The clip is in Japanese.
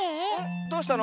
どうしたの？